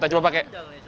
baru tutup ya oke